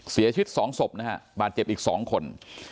เสียชีวิต๒ศพนะฮะบาดเจ็บอีก๒คน